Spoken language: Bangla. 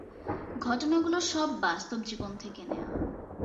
ঘটনাগুলো সব বাস্তব জীবন থেকে নেওয়া।